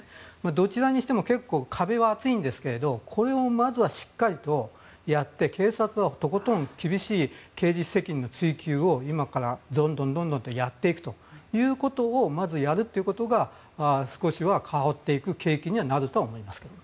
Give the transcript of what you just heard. どちらにしても結構壁は厚いんですがこれをまずはしっかりとやって警察はとことん厳しい刑事責任の追及を今からどんどんとやっていくということをまずやるということが少しは変わっていく契機にはなると思いますが。